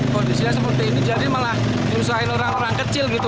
kondisinya seperti ini jadi malah nyusahin orang orang kecil gitu